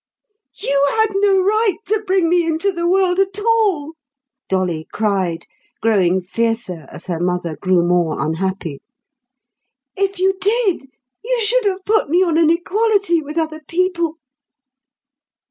"You had no right to bring me into the world at all," Dolly cried, growing fiercer as her mother grew more unhappy. "If you did, you should have put me on an equality with other people."